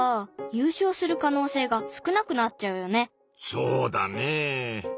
そうだねぇ。